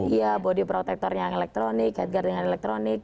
iya body protector yang elektronik head guard yang elektronik